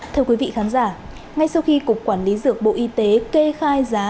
thưa quý vị khán giả ngay sau khi cục quản lý dược bộ y tế kê khai giá